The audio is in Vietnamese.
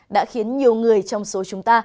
đã khiến nhiều người trong số chúng ta